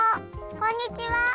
こんにちは。